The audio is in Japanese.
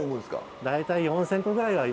大体４，０００個ぐらいは今。